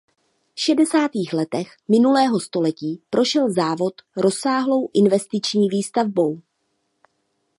V šedesátých letech minulého století prošel závod rozsáhlou investiční výstavbou.